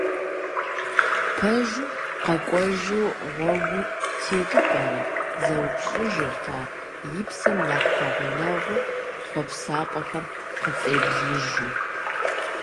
«Пэжу, къэкӀуэжу гъуэгу тету пӀэрэ?» — зэупщӀыжырт ар, и псэм нэхъ пэгъунэгъу хъуэпсапӀэхэр къыфӀеблыжу.